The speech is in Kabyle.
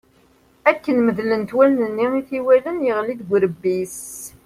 Akken medlent wallen-nni i t-iwalan, yeɣli deg urebbi-s.